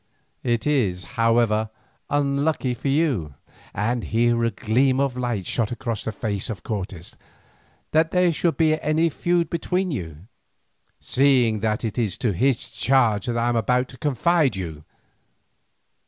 It is, however, unlucky for you," and here a gleam of light shot across the face of Cortes, "that there should be any old feud between you, seeing that it is to his charge that I am about to confide you.